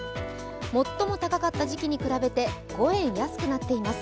最も高かった時期に比べて５円安くなっています。